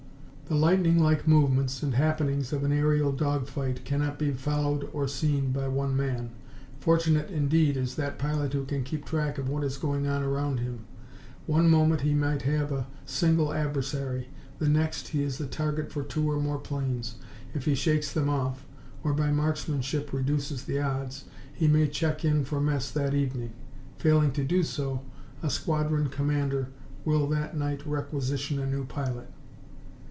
The lightning like movements and happenings of an aerial dog fight cannot be followed or seen by any one man. Fortunate indeed is that pilot who can keep track of what is going on around him. One moment he may have a single adversary; the next he is the target for two or more planes. If he shakes them off, or by marksmanship reduces the odds, he may check in for mess that evening; failing to do so, a squadron commander will that night requisition a new pilot.